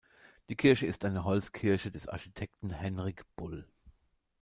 Die Kirche ist eine Holzkirche des Architekten Henrik Bull.